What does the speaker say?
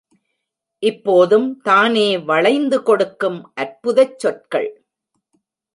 இப்போதும் தானே வளைந்து கொடுக்கும் அற்புதச் சொற்கள்.!